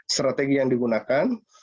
strategi yang digunakan